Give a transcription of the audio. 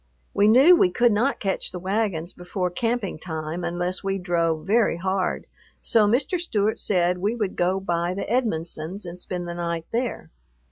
We knew we could not catch the wagons before camping time unless we drove very hard, so Mr. Stewart said we would go by the Edmonsons' and spend the night there.